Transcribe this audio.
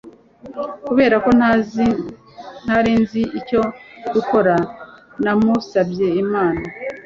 Kubera ko ntari nzi icyo gukora, namusabye inama.